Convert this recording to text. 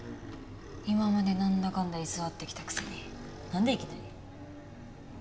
今までなんだかんだ居座ってきたくせになんでいきなり？